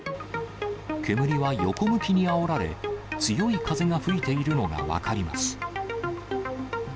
煙は横向きにあおられ、強い風が吹いているのが分かります。